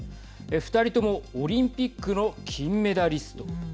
２人ともオリンピックの金メダリスト。